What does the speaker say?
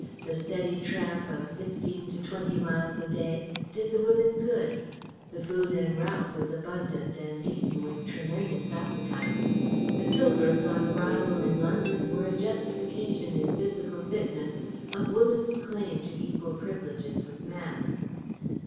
The steady tramp of sixteen to twenty miles a day did the women good; the food en route was abundant and eaten with tremendous appetite. The pilgrims on arrival in London were a justification in physical fitness of Woman's claim to equal privileges with Man.